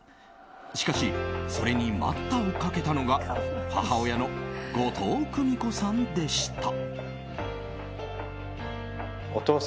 しかし、それに待ったをかけたのが母親の後藤久美子さんでした。